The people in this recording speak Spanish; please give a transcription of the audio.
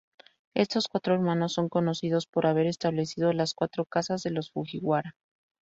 Estos cuatro hermanos son conocidos por haber establecido las "cuatro casas" de los Fujiwara.